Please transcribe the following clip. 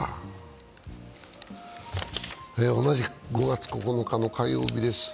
同じく５月９日の火曜日です。